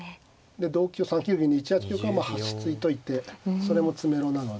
で同香３九銀で１八玉はまあ端突いといてそれも詰めろなので。